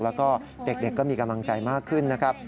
แล้วก็เด็กก็มีกำลังใจมากขึ้นนะครับ